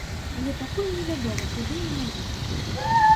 Але пакуль невядома, куды менавіта.